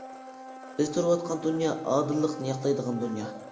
بىز تۇرۇۋاتقان دۇنيا ئادىللىقنى ياقلايدىغان دۇنيا.